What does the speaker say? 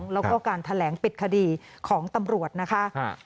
แล้วก็การแถลงปิดคดีของตำรวจนะคะ